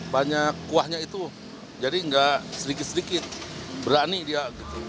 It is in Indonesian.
banyak kuahnya itu jadi enggak sedikit sedikit berani dia